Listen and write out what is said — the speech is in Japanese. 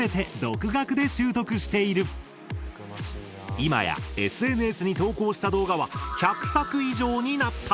今やＳＮＳに投稿した動画は１００作以上になった！